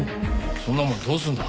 そんなもんどうするんだ？